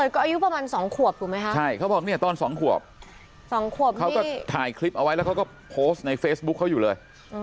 ก็ไคล์โอไว้แล้วก็โปสให้เฟซบุ๊กเขาอยู่เลย